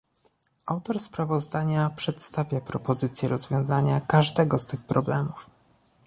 Autor sprawozdania przedstawia propozycje rozwiązania każdego z tych problemów